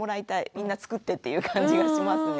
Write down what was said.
みんな作ってっていう感じがしますね。